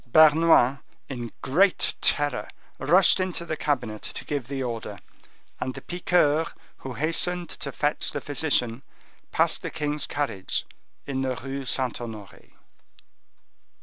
Bernouin, in great terror, rushed into the cabinet to give the order, and the piqueur, who hastened to fetch the physician, passed the king's carriage in the Rue Saint Honore.